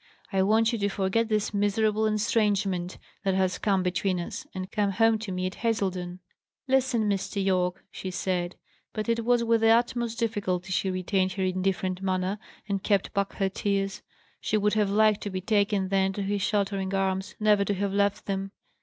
I want you to forget this miserable estrangement that has come between us, and come home to me at Hazledon." "Listen, Mr. Yorke," she said; but it was with the utmost difficulty she retained her indifferent manner, and kept back her tears: she would have liked to be taken then to his sheltering arms, never to have left them.